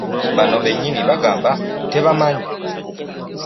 Bano bennyini bagamba tebabimanyi.